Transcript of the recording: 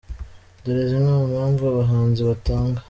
Dore zimwe mu mpamvu abahanzi batanga:.